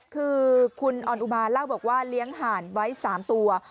คือคุณออนอุมาเล่าบอกว่าเลี้ยงห่านไว้๓ตัว